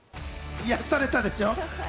癒やされたでしょう？